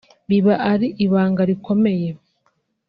biba ari ibanga rikomeye